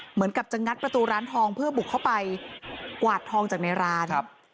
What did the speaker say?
เหมือนกับจะงัดประตูร้านทองเพื่อบุกเข้าไปกวาดทองจากในร้าน